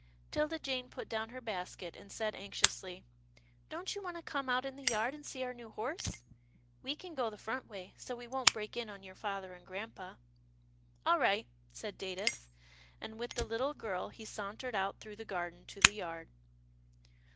'Tilda Jane put down her basket, and said anx iously, " Don't you want to come out in the yard and see our new horse? We can go the front way, so we won't break in on your father and grampa." " All right," said Datus, and, with the little girl, he sauntered out through the garden to the yard.